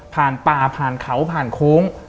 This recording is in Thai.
ผ่านปลาผ่านเขาผ่านโค้ง